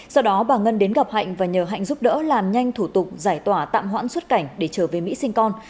sau đó bà ngân đến gặp hạnh và nhờ hạnh giúp đỡ làm nhanh thủ tục giải tỏa tạm hoãn xuất cảnh để trở về mỹ sinh con